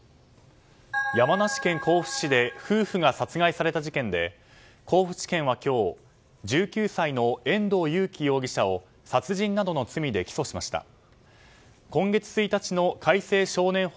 山梨県甲府市で夫婦が殺害された事件で甲府地検は今日１９歳の遠藤裕喜容疑者を殺人などの罪で起訴しました。